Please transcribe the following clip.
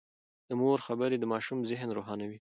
د مور خبرې د ماشوم ذهن روښانوي.